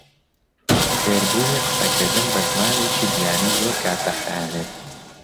فێربوونی قسەکردن بە زمانێکی بیانی زۆر کات دەخایەنێت.